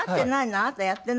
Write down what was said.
あなたやってないの？